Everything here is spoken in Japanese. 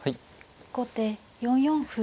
後手４四歩。